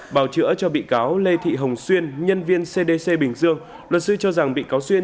bào chữa cho bị cáo lê thị hồng xuyên nhân viên cdc bình dương luật sư cho rằng bị cáo xuyên